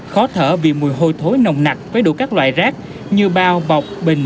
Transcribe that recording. khó thở vì mùi hôi thối nồng nặc với đủ các loại rác như bao bọc bình